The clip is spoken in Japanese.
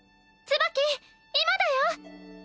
ツバキ今だよ！